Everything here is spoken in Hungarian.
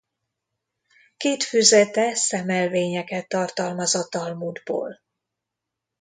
Két füzete szemelvényeket tartalmaz a Talmudból.